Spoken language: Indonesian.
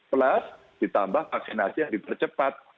plus ditambah vaksinasi yang dipercepat